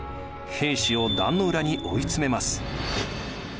平氏を壇の浦に追い詰めます。